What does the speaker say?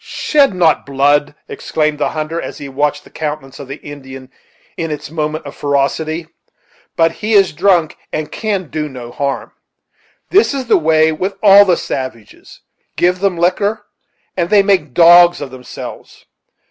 "Shed not blood!" exclaimed the hunter, as he watched the countenance of the Indian in its moment of ferocity; "but he is drunk and can do no harm. This is the way with all the savages; give them liquor, and they make dogs of themselves.